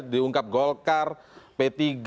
diungkap golkar p tiga